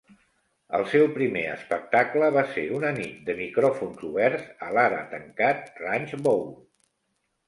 El seu primer espectacle va ser una nit de micròfons oberts a l'ara tancat Ranch Bowl.